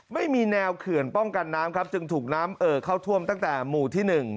ไม่มีแนวเขื่อนป้องกันน้ำครับจึงถูกน้ำเอ่อเข้าท่วมตั้งแต่หมู่ที่๑